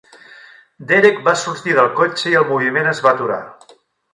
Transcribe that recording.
Derek va sortir del cotxe i el moviment es va aturar.